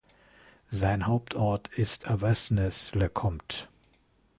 Sein Hauptort ist Avesnes-le-Comte.